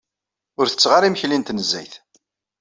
Ur setteɣ ara imekli n tnezzayt.